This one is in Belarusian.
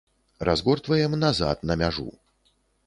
Разгортваем назад на мяжу.